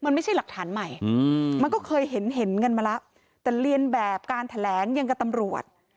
มันไม่ใช่หลักฐานใหม่มันก็เคยเห็นเห็นกันมาแล้วแต่เรียนแบบการแถลงอย่างกับตำรวจ